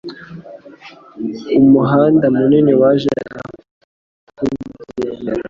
Umuhanda munini waje akugenda gendera!